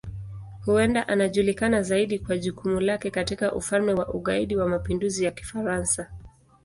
Huenda anajulikana zaidi kwa jukumu lake katika Ufalme wa Ugaidi wa Mapinduzi ya Kifaransa.